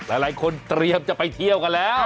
หลายคนเตรียมจะไปเที่ยวกันแล้ว